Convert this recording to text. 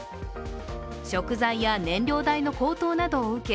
食材や燃料代の高騰などを受け